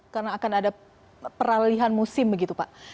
karena akan ada peralihan musim begitu pak